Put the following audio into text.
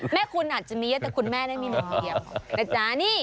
แม่คุณอาจจะมีเยอะแต่คุณแม่น่าจะมีเหมือนเกียบ